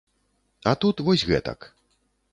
А тут вось гэтак.